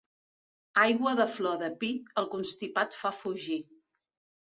Aigua de flor de pi, el constipat fa fugir.